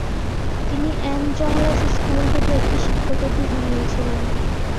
তিনি এন জহলেস স্কুল থেকে একটি শিক্ষকের ডিগ্রি নিয়েছিলেন।